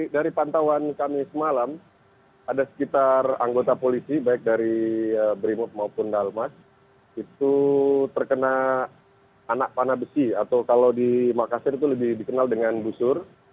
dari pantauan kami semalam ada sekitar anggota polisi baik dari brimob maupun dalmas itu terkena anak panah besi atau kalau di makassar itu lebih dikenal dengan busur